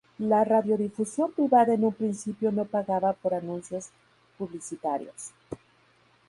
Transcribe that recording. La radiodifusión privada en un principio no pagaba por anuncios publicitarios.